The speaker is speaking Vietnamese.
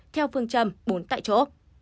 theo phương châm bốn tại chỗ